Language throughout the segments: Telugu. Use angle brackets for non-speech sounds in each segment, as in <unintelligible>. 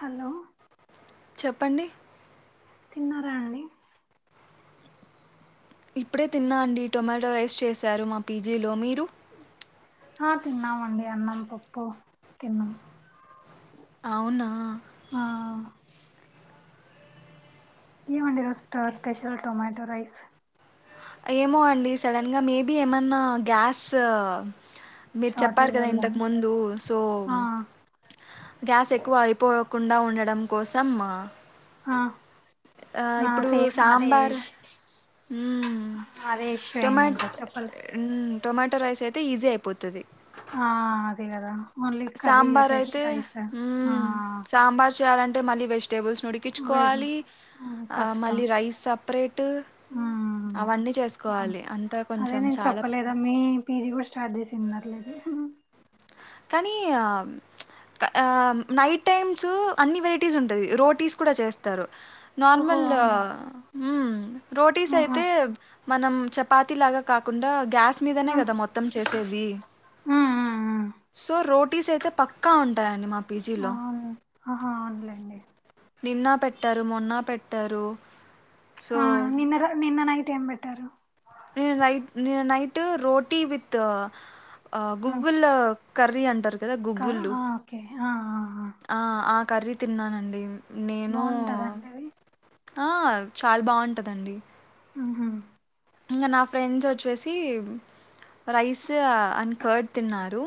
హలో చెప్పండి తిన్నారా అండి ఇప్పుడే తిన్నా అండి టొమాటో రైస్ చేశారు మా పీజీలో మీరు ఆ తిన్నామండి అన్నం పప్పు తిన్నాము అవునా ఏమండి ఇ రోజు స్పెషల్ టొమాటో రైస్ ఏమో అండి సడన్ గా మేబి ఏమన్నా గ్యాస్ మీరు చెప్పారు షార్టేజ్ కదా ఇంతకు వల్లని ముందు సో ఆ గ్యాస్ ఎక్కువ అయిపోకుండా ఉండడం కోసం ఆ ఆ ఇప్పుడు సేమ్ అదే సాంబార్ ఊ అదే ఇష్యూ టొమా అయింది ఇంకా చెప్పలే టొమాటో రైస్ అయితే ఈజీ అయిపోతుది ఆ అది గదా ఓన్లీ కర్రీ సాంబార్ చేసేసి అయితే రైస్ ఆ మ్మ్ సాంబార్ చేయాలంటే మళ్ళీ వెజిటబుల్స్ లేదు ఉడికించువాలి కష్టం మళ్ళీ రైస్ సపరేట్ అవన్నీ చేసుకోవాలి. అంతా అదే కొంచెం నేను చాలా చెప్పలేద మీ పీజీ గూడా స్టార్ట్ చేసిన్నారులేదు అ కానీ ఆ ఆ నైట్ టైమ్స్ అన్ని వెరైటీస్ ఉంటది రోటీస్ కూడా చేస్తారు ఓహో నార్మల్ అవునా రోటీస్ ఆహా అయితే మనం చపాతి లాగా కాకుండా గ్యాస్ స్ మీదనే ఆ కదా మొత్తం చేసేది ఆ ఆ సో, రోటీస్ అయితే పక్కా ఉంటాయిడి మా పీజీలో. అవును ఆహ అవును లేండి నిన్న పెట్టారు మొన్న పెట్టారు సో, ఆ నిన్నర నిన్ననైట్ ఏం పెట్టారు నిన్న నైట్ నిన్న నైట్ రోటీ విత్ ఆ! గూగుల్ కర్రీ అంటారు కదా కా గుగ్గుల్లు ఆ! ఓకే ఆ ఆ ఆ కర్రీ తిన్నానండి నేను బాగుంటదండిది ఆ చాలా బాగుంటదండి ఉహు ఇంకా నా ఫ్రెండ్స్ వొచ్చేసి రైస్ అని కర్డ్ తిన్నారు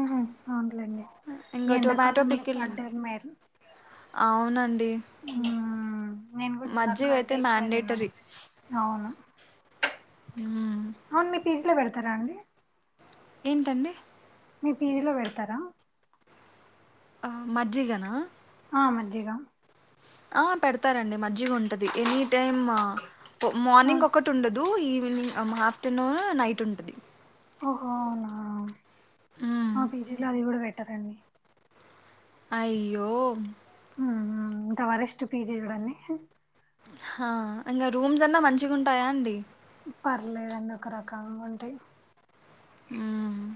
ఊహు అవునులేండి ఇంగ టొమాటో ఎండాకాలంలో పికిల్ పడ్డారు మీరు అవునండి నేను గూడా నిన్న మజ్జిగైతే కర్డే ఎక్కువతిన్నాను మ్యాండేటరీ. అవును హ్మ్. తరాండి ఏంటండి మీ పీజీలో బెడతారా ఆ మజ్జిగనా ఆ మజ్జగ ఆ పెడతారండి మజ్జిగుంటది ఎనీ టైమ్ ఆ మార్నింగ్ ఒకటి ఉండదు ఈవినింగ్ ఆఫ్టర్నూన్ నైట్ ఉంటది ఓహో అవునా హ్మ్. మా పీజీలో అది గూడా పెట్టారండి అయ్యో అంత వరెస్టు పీజీగదండి హ ఇంగ రూమ్స్ అన్నా మంచిగుంటాయా అండి పర్లేదండి ఒక రకంగా ఉంటాయి హ్మ్.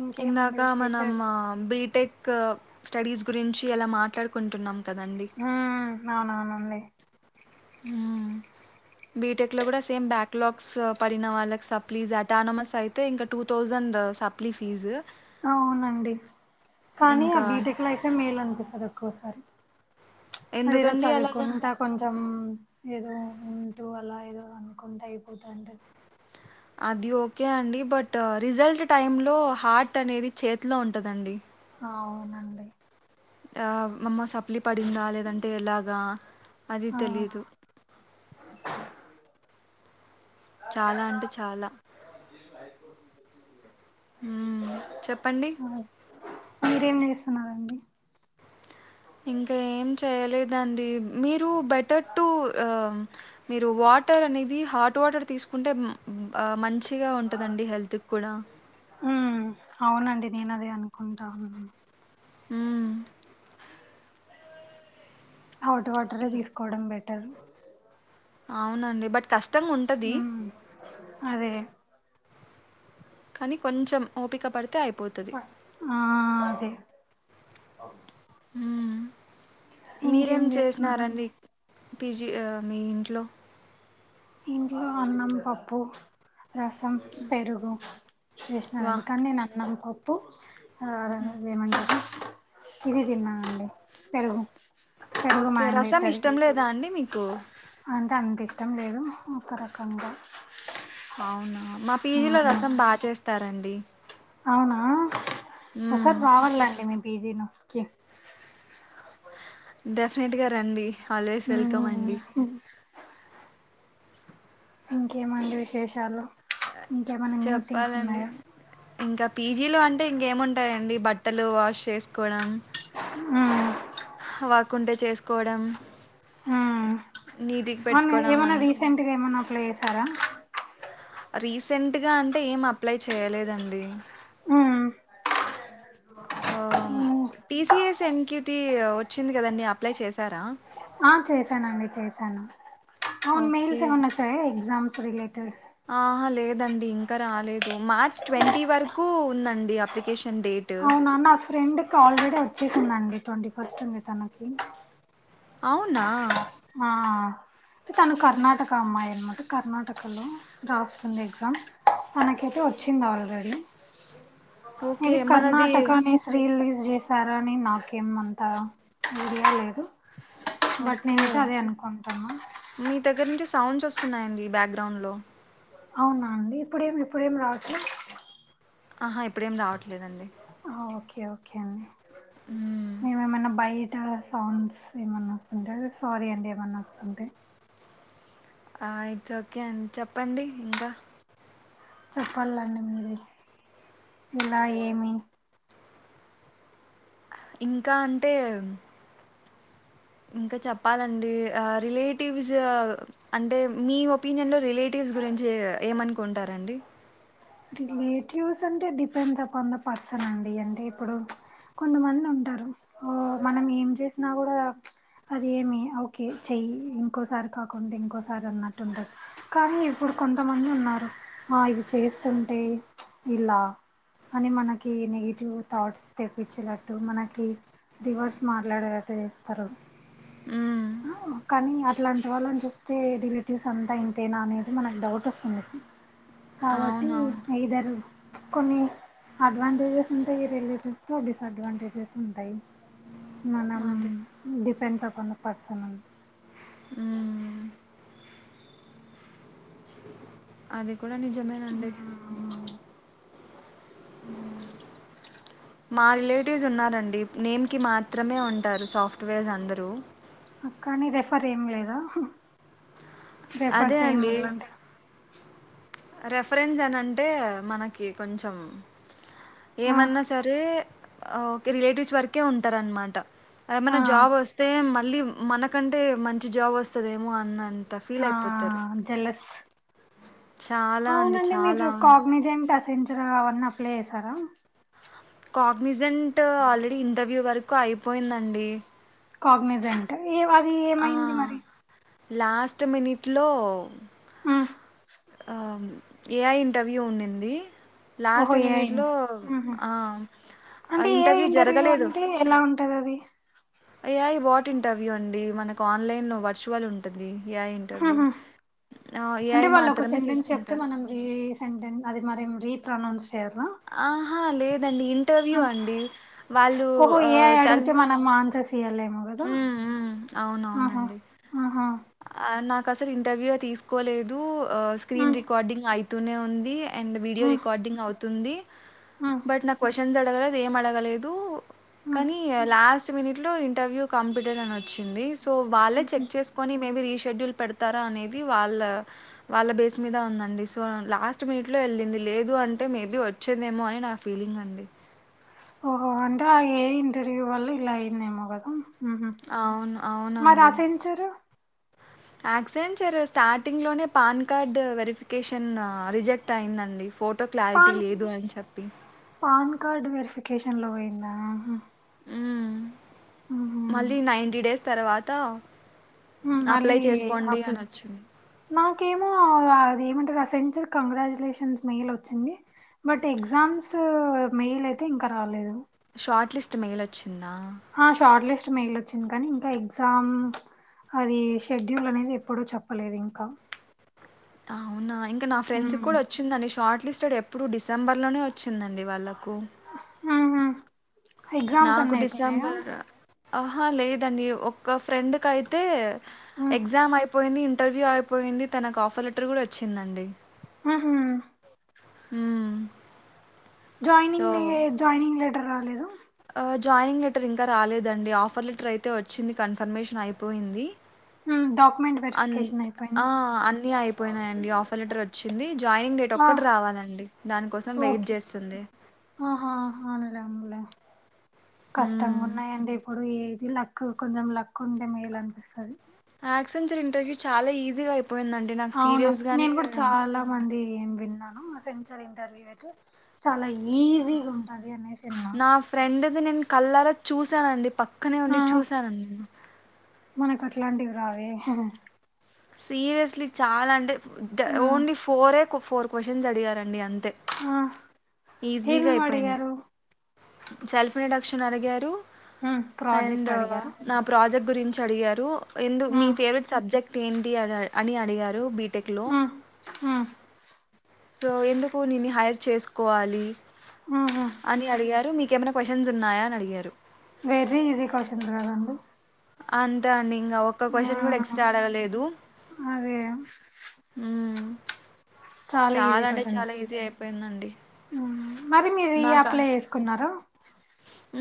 ఇంకేమండి ఇందాక మనం విశేషాలు బీటెక్ స్టడీస్ గురించి అలా మాట్లాడుకుంటున్నాం కదండి ఉమ్ అవునవునండి ఉ బీటెక్ లో కూడా సేమ్ బ్యాక్లాగ్స్ పడిన వాళ్ళకి సప్లీజ్ అటానమస్ అయితే ఇంకా టూ థౌజండ్ సప్లీ ఫీజు అవునండి కానీ ఆ ఇంకా బీటెక్ లో అయితే మేలనిపిస్తది ఒక్కోసారి అదేదో ఎందుకండి అలాగా చదువుకుంటా కొంచెం ఏదో ఉంటూ అలా ఏదో అనుకుంటే అయిపోతుంటే అది ఓకే అండి బట్ రిజల్ట్ టైమ్ లో హార్ట్ అనేది చేతిలో ఉంటదండి అవునండి ఆ అమ్మ సప్లి పడిందా లేదంటే ఎలాగా అది ఆ తెలిదు చాలా అంటే చాలా మ్మ్. చెప్పండి చ్చంది మీరేం చేస్తున్నారండి ఇంకా ఏం చేయలేదు దండి మీరు బెటర్ టు మీరు వాటర్ అనేది హాట్ వాటర్ తీసుకు కుంటే మంచిగా ఉంటుందండి హెల్త్కి కూడా ఉమ్ అవునండి నేను అదే అనుకుంటాఉనా హమ్ హౌట్ వాటర్ ఇంగ్ తీసుకోవడం బెటర్ అవునండి బట్ కష్టంగా ఉంటది ఉమ్ అదే కానీ కొంచెం ఓపిక పడితే అయిపోతుది అవును ఇంకేం మీరేం చేసినారండి చేస్తున్నారండి బిర్యానీ మీ ఇంట్లో ఇంటిలో అన్నం పప్పు రసం పెరుగు వా! చేసినానండి కానీ నేను అన్నం పప్పు హ్మ్. ఇదేమంటారు ఇది తిన్నానుండి పెరుగు పెరుగు మా ఓకే ఆయన రసం తిడతాడు ఇష్టం లేదా అండి మీకు అ అంత ఇష్టం లేదు ఒక రకంగా అవునా మా పీజీలో రసం బాగా చేస్తారండి అవునా హ్మ్. ఒకసారి రావాలండి మీ పీజీ నకి డెఫినెట్గా రండి ఆల్వేస్ వెల్కమ్ అండి ఇంకేమండి విశేషాలు ఇంకేమైన్నా న్యూ థింగ్స్ చెప్పాలండి ఉన్నాయా ఇంకా పీజీలో అంటే ఇంకేముంటాయండి బట్టలు వాష్ చేసుకోవడం ఆ వర్క్ ఉంటే చేసుకోవడం నీటికి అవును పెట్టుకోవడం ఏమైనా అంత రీసెంట్గా ఏమైనా అప్లై చేసారా రీసెంట్గా అంటే ఏం అప్లై చేయలేదండి టిసఎస్ ఎన్క్యూటీ వచ్చింది కదండడి అప్లై చేశారా ఆ చేశానండి చేశాను అవును మెయిల్స్ ఓకే ఏమైన్నా వచ్చాయా ఎగ్జామ్స్ రిలేటెడ్ ఆహా లేదండి ఇంకా రాలేదు మార్చ్ ట్వంటీ వరకు ఉందండి అప్లికేషన్ డేట్ అవునా నా ఫ్రెండ్కి ఆల్రెడీ వచ్చేసిందండి ట్వంటీ ఫస్ట్ ఉంది తనకి అవునా ఆ తను కర్ణాటక అమ్మాయి కర్ణాటకలో రాస్తుంది ఎగ్జామ్ తనకైతే వచ్చింది ఆల్రెడీ ఓకే మేబి మనది కర్ణాటకనే శ్రీలీ చేశార అని నాకేమంత ఐడియా లేదు బట్ ఓకే నేనుతే అదే అనుకుంటాన మీ దగ్గర నుంచి సౌండ్స్ వస్తున్నాయండి బ్యాక్గ్రౌండ్ లో అవునా అండి ఇప్పుడేం ఇప్పుడేం రావట్లే ఆహా ఇప్పుడేం రావట్లేదండి ఓకే ఓకే అండి హ్మ్. మేమ ఏమైన్నా బై అ సౌండ్స్ ఏమన్నా వస్తుంటే అద సారీ అండి ఏమన్నా వస్తుంటే ఆ ఇట్స్ ఓకే అండి చెప్పండి ఇంకా చెప్పాలండి మీరి ఇంకా ఏమి ఇంకా అంటే ఇంకా చెప్పాలండి రిలేటివ్స్ అంటే మీ ఒపీనియన్ లో రిలేటివ్స్ గురించీ ఏమనుకుంటారండి. రిలేటివ్స్ అంటె డిపెండ్స్ అపాన్ ద పర్సన్ అండి అంటే ఇప్పుడు కొంతమంది ఉంటారు ఓ మనం ఏం చేసినా గూడా అదేమి ఓకే చెయ్యి ఇంకోసారి కాకుంటే ఇంకోసారి అన్నట్టు ఉండదు కానీ ఇప్పుడు కొంతమంది ఉన్నారు ఆ ఇది చేస్తుంటే ఇలా అని మనకి నెగిటివ్ థాట్స్ తెప్పిచ్చేటట్టు మనకి రివర్స్ మాట్లాడేటట్లు చేస్తరు. మ్మ్ కానీ అట్లాంటి వాళ్ళను చుస్తే రిలేటివ్స్ అంతా ఇంతేనా అనేది మనకు డౌట్ ఒస్తుంది. కాబట్టీ అవునవును. ఐదర్ కొన్ని అడ్వాంటేజెస్ ఉంటాయి రిలేటివ్స్ తో డిస్ అడ్వాంటేజెస్ ఉంటాయి. మనం అదే. డిపెండ్స్ అపాన్ ద పర్సన్ అంతె. హ్మ్. అది కూడా నిజమేనండి. మా రిలేటివ్స్ ఉన్నారండి నేమ్కి మాత్రమే ఉంటారు సాఫ్ట్వేర్స్ అందరూ. కానీ రెఫర్ ఏం లేదా అదే రెఫర్స్ ఏం అండి. అట్లాంటివి. రెఫరెన్స్ అని అంటే మనకి కొంచెం ఆ ఏమన్నా సరే ఒక రిలేటివ్స్ వరకే ఉంటారన్మాట. ఆ ఏమన్న జాబ్ ఒస్తే మళ్ళీ మనకంటే మంచి జాబ్ ఒస్తదేమో అని అం త ఫీల్ ఆ అయిపోతరు. జెలస్ అవునండి మీరు కాగ్నిజెంట్ అసెంజర్ అవన్ని అప్లై యేసారా. కాగ్నిజెంట్ ఆల్రెడీ ఇంటర్వ్యూ వరకు అయిపోయిందండి. కాగ్నిజెంట్ ఏ అది ఆ ఏమైంది మరి. లాస్ట్ మినిట్ లో మ్మ్ ఆ ఏఐ ఇంటర్వ్యూ ఉండింది. ఓహో లాస్ట్ ఏ ఐ మినిట్ లో ఉందా ఉహు ఆ అంటే ఏ ఐ ఇంటర్వ్యూ జరగలేదు. అంటే <unintelligible> యా ఇది బాట్ ఇంటర్వ్యూ అండి మనకు ఆన్లైన్ లో వర్చువల్ ఉంటందీ. ఏఐ ఇంటర్వ్యు ఉహు అంటే వాళ్లోక సెంటెన్స్ చెప్తే మనం రీ సెంటెన్ అది మరి రీ ప్రనౌన్స్ ఆహా లేదండి ఆ ఇంటర్వ్యూ అండీ వాళ్ళు ఆ టల్ తియాలేమో గదా ఆహా అవునవునండి ఆహా ఆ నాక్ అసలు ఇంటర్వ్యూ యే తీస్కోలేదు స్క్రీన్ ఉమ్ రికార్డింగ్ అయితూనే ఉంది. అండ్ వీడియో ఉమ్ రికార్డింగ్ అవుతుంది ఉమ్ బట్ నాకు క్వశ్చన్స్ అడగలేదు ఏం అడగలేదు. ఉమ్ కనీ లాస్ట్ మినిట్ లో ఇంటర్వ్యూ కంప్లిటెడ్ అని ఒచ్చింది సో వాళ్ళే ఉహు చెక్ చేసు కొని మేబి రీషెడ్యూల్ పెడతారా అనేది వాళ్ళ వాళ్ళ బేస్ మీద ఉందండి సో లాస్ట్ మి నిట్లో ఎళ్ళింది లేదూ అంటె మేబి ఒచ్చిందేమో అని నా ఫీలింగ్ అండి. ఓహో అంటే ఆ ఏఇ ఇంటర్వ్యూ వల్ల ఇలా అయిందేమో గదా. <unintelligible> అవును. మరసెంచరు. యక్సెంచర్ స్టార్టింగ్ లోనే పాన్ కార్డ్ వెరిఫికేషన్ రిజెక్ట్ అయిందండి ఫో టో క్లారిటీ పాన్ లేదు అని చెప్పి. పాన్ కార్డ్ వెరిఫికేషన్ లో పోయిందా ఉహు మ్మ్ ఉహు మళ్ళీ నైంటీ డేస్ తర్వాత మ్మ్ మళ్ళీ అప్లై చేసుకోండి ఆపిల్ అనొచ్చింది. నా కేమో అది ఏమంటారు అసెంచర్ కంగ్రాజ్యులేషన్స్ మెయిల్ ఒచ్చింది. బట్ ఎగ్జామ్స్ మెయిల్ అయితే ఇంక రాలేదు. షార్ట్లిస్ట్ మెయిలొచ్చి హా షార్ట్ లిస్ట్ మెయిల్ ఒచ్చింది కానీ ఇంకా ఎగ్జామ్ అదీ షెడ్యూల్ అనేది ఎప్పుడో చెప్పలేదింకా. అవునా ఇంకా నా ఫ్రెండ్స్ కూడా ఉహు వచ్చిందండి షార్ట్ లిస్టెడ్ ఎప్పుడూ డిసెంబర్లోనే ఒచ్చిందండి వాళ్ళకు. ఎగ్జామ్స్ నాకు అన్ని అయిపోయినాయా డిసెంబర్ ఆహా లేదండి ఒక్క ఫ్రెండ్ కైతే ఎగ్జామ్ అయిప్ పోయింది ఇంటర్వ్యూ అయిపోయింది తనకు ఆఫర్ లెటర్ కూడా వచ్చిందండి ఆహా ఉమ్ జాయినింగ్ జాయినింగ్ లెటర్ రాలేద్ద్ ఆ! జాయినింగ్ లెటర్ ఇంకా రాలేదండి ఆఫర్ లెటర్ అయితే వచ్చింది కన్ఫర్మేషన్ అయిపోయింది హ్మ్. డాక్యుమెంట్ అన్ వెరిఫికేషన్ అయిపోయింది ఆ అన్ని అయిపోయినయండి ఆఫర్ లెటర్ వచ్చింది జాయినింగ్ డేట్ ఆ! ఒక్క రావాలండి దానికోసం వెయిట్ ఓకే చేస్తుంది ఆహా అనలే అనలే కష్టంగా హ్మ్. ఉన్నాయండి ఇప్పుడు ఏది ల కు కొంచెం లక్ ఉంటే మేలు అనిపిస్తుంది ఆక్సెన్ంచర్ ఇంటర్వ్యూ చాలా ఈజీగాయిపో అవును నేను కూడా చాలా మంది ఏం విన్నాను అసలు ఇంటర్వూ అయితే చాలా ఈజీగా ఉంటంది అనేస్ నా ఫ్రెండ్ది నేను కళ్లార చూశానండి పక్కనే ఆ ఉండి చూశానండి న మనకు అట్లాంటివి రావే సీరియస్లీ చాలా అంటే డ ఆ ఓన్లీ ఫోరే ఫోర్ క్వశ్చన్స్ అడిగారండి అంత ఆ ఏమి మడిగారు సెల్ఫ నిడక్షన్ అడిగారు ఉమ్ ప్రాజెక్ట్ అండ్ అడిగారు నా ప్రాజెక్ట్ గురించి అడిగారు ఎందు మీ ఉమ్ ఫేవరెట్ సబ్జెక్ట్ ఏంటి అని అడిగారు బి టెక్లో ఉమ్ ఉమ్ సో ఎందుకు నిన్ను హైర్ చేసుకోవాలి ఉహు అని అడిగారు మీకేమైనా క్వశ్చన్స్ ఉన్నాయా అని అడిగారు వేరీ ఈజీ క్వాషన్స్ కదండి అంతే అండి ఇంగా ఒక్క ఆ క్వశ్చన్ కూడా ఎక్స్ట్రా అడగలేదు అదే ఉమ్ ఈజీ చాలా అంటే చాలా క్వశ్చన్స్ ఈజీ అయిపోయిందండి హ్మ్ మరి మీది నాకా అప్లై చేసుకున్నార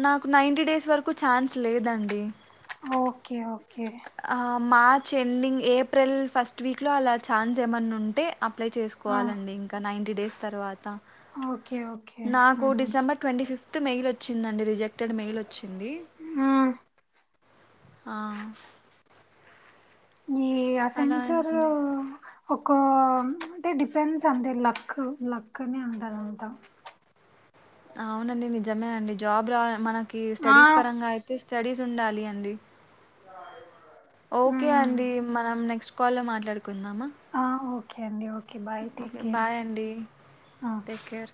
నాకు నైన్టీ డేస్ వరకు ఛాన్స్ లేదండి ఓకే ఓకే ఆ, March ending April first week లో అలా ఛాన్జ్ ఏమన్నా ఉంటే అప్లై ఆ చేసుకోవాలండి ఇంకా నైన్టీ డేస్ తర్వాత ఓకే ఓకే నాకు ఉహు డిసెంబర్ ట్వంటీ ఫిఫ్త్ త్ మెయిల్ వచ్చిందండి రిజెక్టెడ్ మెయిల్ వచ్చింది ఆ ఆ మీ అలా హ్మ్. అసెంచర్ అయిందండి ఒక అంటే డిఫెన్స్ అంటే లక్ లక్ అని అంటరు అంతా అవునండి నిజమే అండి జాబ్ రా మనకి ఆ స్టడీస్ పరంగా అయితే స్టడీస్ ఉండాలి అండి ఓకే ఉమ్ అండి మనం నెక్స్ట్ కాల్ లో మాట్లాడుకుందామ ఆ ఓకే అడి okay bye take okay care bye అండి టేక్ కేర్